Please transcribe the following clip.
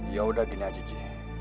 yaudah gini aja ji